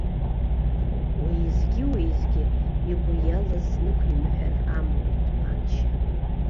Уеизгьы-уеизгьы игәы иалаз нықәимҳәар амуит аншьа.